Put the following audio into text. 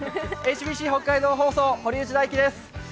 ＨＢＣ北海道放送・堀内大輝です。